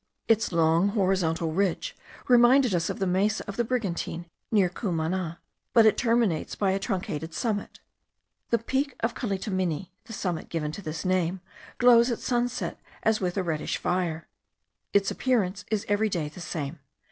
Its long, horizontal ridge reminded us of the Mesa of the Brigantine, near Cumana; but it terminates by a truncated summit. The Peak of Calitamini (the name given to this summit) glows at sunset as with a reddish fire. This appearance is every day the same.